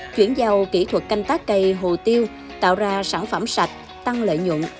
chuyển giao kỹ thuật canh tác cây hồ tiêu tạo ra sản phẩm sạch tăng lợi nhuận